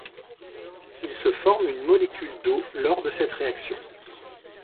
Il se forme une molécule d'eau lors de cette réaction.